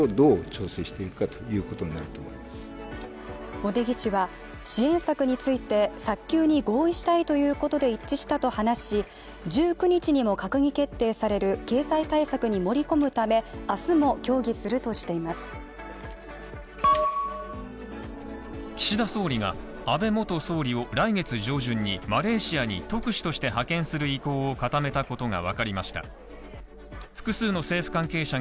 茂木氏は支援策について、早急に合意したいということで一致したと話し１９日にも閣議決定される経済対策に盛り込むため岸田総理が安倍元総理を来月上旬にマレーシアに特使として派遣する意向を固めたことがわかりました